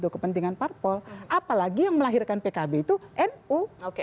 kepentingan parpol apalagi yang melahirkan pkb itu nu